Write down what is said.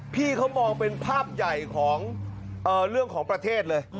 พี่เขามองเป็นภาพใหญ่ของเรื่องของประเทศเลย